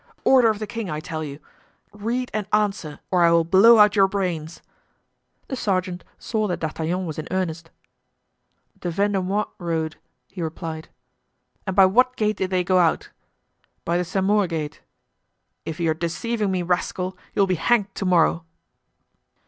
"Order of the king, I tell you. Read and answer, or I will blow out your brains!" The sergeant saw that D'Artagnan was in earnest. "The Vendomois road," he replied. "And by what gate did they go out?" "By the Saint Maur gate." "If you are deceiving me, rascal, you will be hanged to morrow."